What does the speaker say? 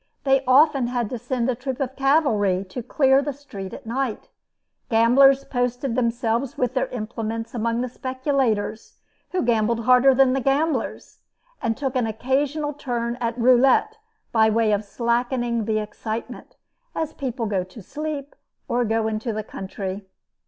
They often had to send a troop of cavalry to clear the street at night. Gamblers posted themselves with their implements among the speculators, who gambled harder than the gamblers, and took an occasional turn at roulette by way of slackening the excitement; as people go to sleep, or go into the country.